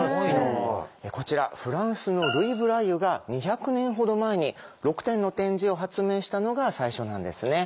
こちらフランスのルイ・ブライユが２００年ほど前に６点の点字を発明したのが最初なんですね。